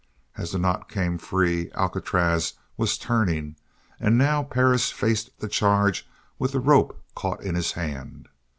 As the knot came free Alcatraz was turning and now Perris faced the charge with the rope caught in his hand.